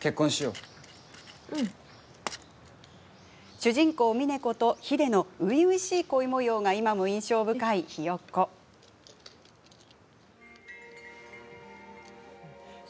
主人公・みね子とヒデの初々しい恋もようが今も印象深い「ひよっこ」。